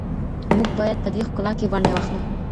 موږ باید په دې ښکلا کي ونډه واخلو.